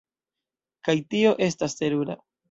Kaj tio estas terura!